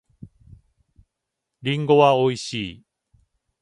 りんごは美味しい。